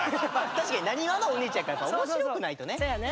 確かになにわのおにいちゃんやからやっぱ面白くないとね。